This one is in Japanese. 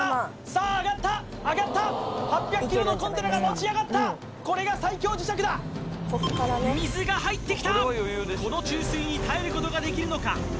さあ上がった上がった８００ｋｇのコンテナが持ち上がったこれが最強磁石だ水が入ってきたこの注水に耐えることができるのか？